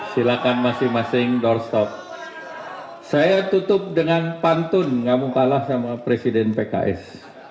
silakan masing masing doorstop saya tutup dengan pantun kamu kalah sama presiden pks